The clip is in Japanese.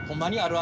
あ！